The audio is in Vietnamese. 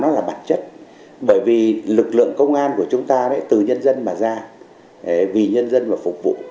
nó là bản chất bởi vì lực lượng công an của chúng ta từ nhân dân mà ra vì nhân dân mà phục vụ